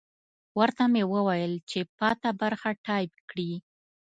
ورته مې وویل چې پاته برخه ټایپ کړي.